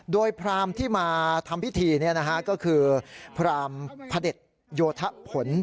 โดยพรามที่มาทำพิธีก็คือพรามพระเด็จโยธผล